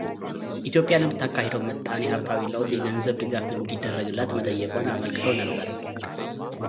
ኢትዮጵያ ለምታካሂደው ምጣኔ ሀብታዊ ለውጥ የገንዘብ ድጋፍ እንዲደረግላት መጠየቋን አመልከተው ነበር።